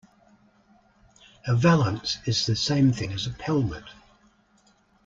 A valance is the same thing as a pelmet